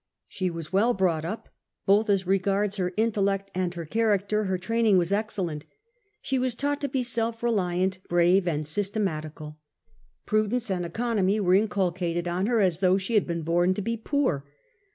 She was well brought up : both as regards her intellect and her character her training was ex cellent. She was taught to be self reliant, brave, and systematical. Prudence and economy were in culcated on her as though she had been born to be poor.